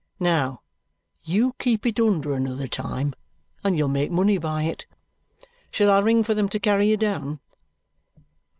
Now, you keep it under another time and you'll make money by it. Shall I ring for them to carry you down?"